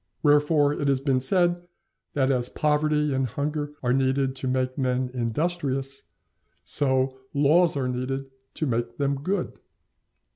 Wherefore it has been said that as poverty and hunger are needed to make men industrious, so laws are needed to make them good.